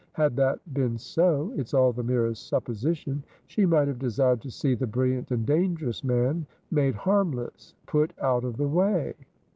Had that been soit's all the merest suppositionshe might have desired to see the brilliant and dangerous man made harmlessput out of the way."